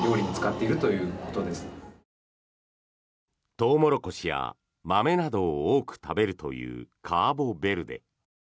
トウモロコシや豆などを多く食べるというカボベルデ。